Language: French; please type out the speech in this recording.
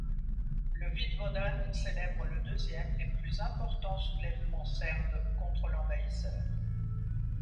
La Vidvodan célèbre le deuxième et plus important soulèvement serbe contre l'envahisseur.